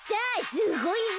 すごいぞ。